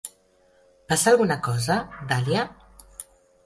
Passa alguna cosa, Dahlia?